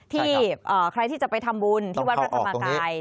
ที่ใครที่จะไปทำบุญที่วัดพระธรรมกาย